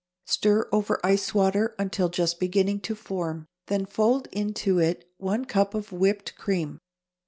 Stir over ice water until just beginning to form, then fold into it one cup of whipped cream.